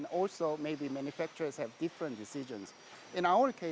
dan juga mungkin pembuat memiliki keputusan yang berbeda